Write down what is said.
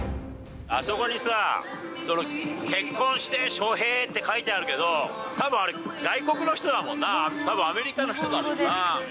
あそこにさ、結婚して、翔平って書いてあるけど、たぶん、あれ外国の人だもんな、たぶん、アメリカの人だもんな。